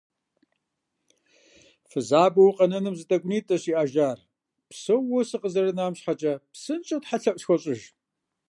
Фызабэу укъэнэным зы тӀэкӀунитӀэщ иӀэжар, псэууэ сыкъызэрынам щхьэкӀэ псынщӀэу тхьэлъэӀу схуэщӀыж.